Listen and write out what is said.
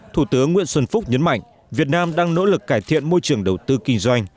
thủ tướng nguyễn xuân phúc nhấn mạnh việt nam đang nỗ lực cải thiện môi trường đầu tư kinh doanh